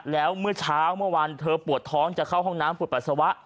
แล้วเมื่อเช้าเมื่อวันเธอปวดท้องจะเข้าห้องน้ำปวดปัสสาวะ